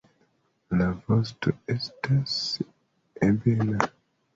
La vosto estas ebena.